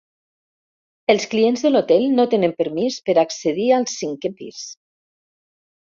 Els clients de l'hotel no tenen permís per accedir al cinquè pis.